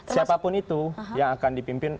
siapapun itu yang akan dipimpin